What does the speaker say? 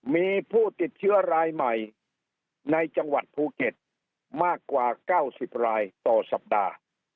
มีผู้ติดเชื้อรายใหม่ในจังหวัดภูเก็ตมากกว่า๙๐รายต่อสัปดาห์